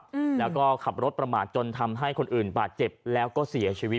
อืมแล้วก็ขับรถประมาทจนทำให้คนอื่นบาดเจ็บแล้วก็เสียชีวิต